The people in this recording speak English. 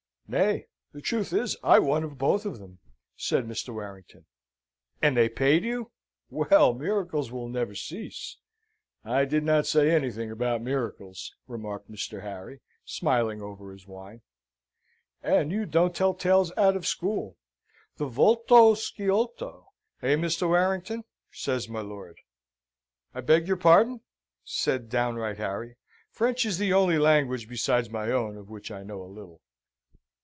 "Nay; the truth is, I won of both of them," said Mr. Warrington. "And they paid you? Well, miracles will never cease!" "I did not say anything about miracles," remarked Mr. Harry, smiling over his wine. "And you don't tell tales out of school the volto sciolto hey, Mr. Warrington?" says my lord. "I beg your pardon," said downright Harry, "French is the only language besides my own of which I know a little."